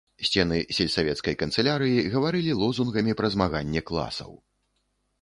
Сцены сельсавецкай канцылярыі гаварылі лозунгамі пра змаганне класаў.